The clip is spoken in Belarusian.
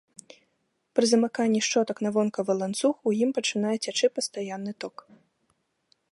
Пры замыканні шчотак на вонкавы ланцуг у ім пачынае цячы пастаянны ток.